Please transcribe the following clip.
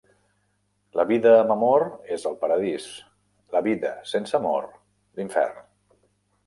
La vida amb amor és el paradís; la vida sense amor, l'infern.